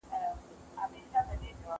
رښتیني څېړونکي تل د حق لاره تعقیبوي.